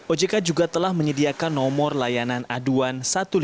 ojk juga telah menyediakan nomor layanan aduan satu ratus delapan puluh